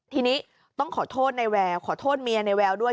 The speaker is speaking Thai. ทีนี้ต้องขอโทษในแววขอโทษเมียในแววด้วย